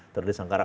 tour de singkarak